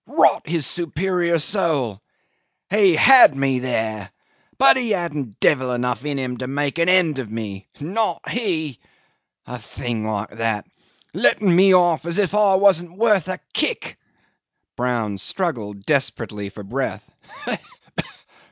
Rot his superior soul! He had me there but he hadn't devil enough in him to make an end of me. Not he! A thing like that letting me off as if I wasn't worth a kick! ..." Brown struggled desperately for breath.